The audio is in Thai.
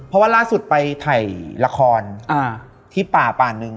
เพราะว่าล่าสุดไปถ่ายละครที่ป่าป่านึง